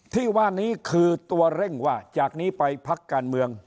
ที่ว่านี้คือตัวเร่งว่าจากนี้ไปพักการเมือง